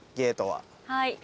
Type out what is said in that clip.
はい。